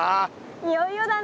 いよいよだね。